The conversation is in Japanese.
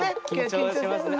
緊張しますね。